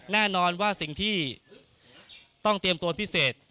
แน่นอนว่าสิ่งที่ต้องเตรียมตัวพิเศษ